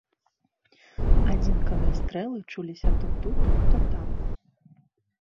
Адзінкавыя стрэлы чуліся то тут, то там.